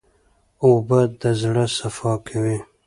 اوبه د زړه صفا کوي.